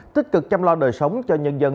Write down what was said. tích cực chăm lo đời sống cho nhân dân